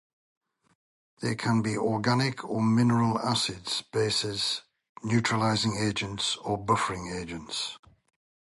They can be organic or mineral acids, bases, neutralizing agents, or buffering agents.